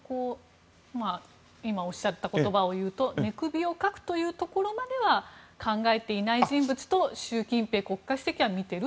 今、おっしゃった言葉だと寝首をかくというところまでは考えていない人物と習近平国家主席は見ていると。